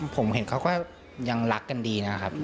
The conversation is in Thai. ผมเห็นเขาก็ยังรักกันดีนะครับ